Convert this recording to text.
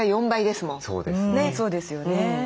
そうですよね。